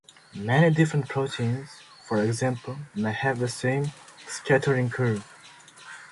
Many different proteins, for example, may have the same scattering curve.